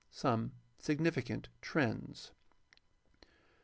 Some significant trends.